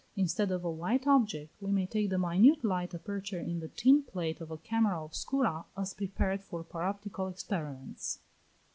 Instead of a white object we may take the minute light aperture in the tin plate of a camera obscura, as prepared for paroptical experiments.